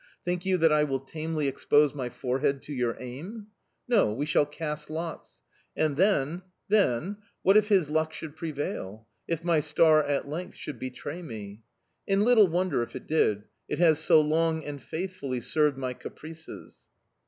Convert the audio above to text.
Think you that I will tamely expose my forehead to your aim?... No, we shall cast lots... And then then what if his luck should prevail? If my star at length should betray me?... And little wonder if it did: it has so long and faithfully served my caprices.